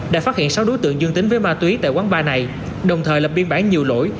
đã phát hiện sáu đối tượng dương tính với ma túy tại quán ba này đồng thời lập biên bản nhiều lỗi